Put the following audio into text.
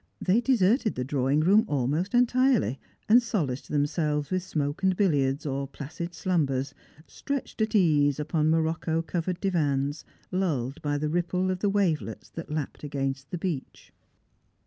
, they Strangers and Pilgrhnt. Q79 deserted tbe drawing room almost entirely, and solaced tliem« selves witli smoke and billiards, or placid slumbers, stretched at ease upon morocco covered divans, lulled by the ripple of the wavelets that lapped against the beach.